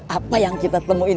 apa yang kita temuin